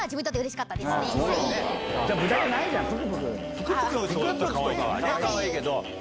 かわいいけど。